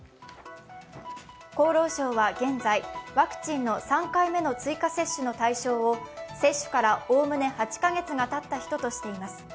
厚労省は現在、ワクチンの３回目の追加接種の対象を接種からおおむね８カ月がたった人としています。